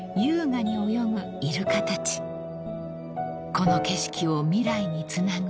［この景色を未来につなぐ］